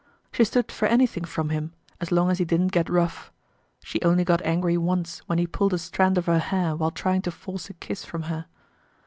She stood for anything from him as long as he didn't get rough. She only got angry once when he pulled a strand of her hair while trying to force a kiss from her.